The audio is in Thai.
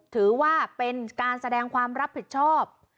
ถือว่าเป็นการแสดงความรับผิดชอบ